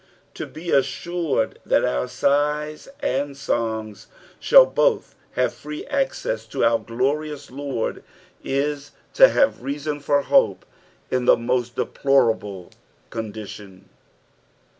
To be assured that our sighs and songs shall both have free access to our glorious Lord ia to have reason for hope in the most deplorable condition.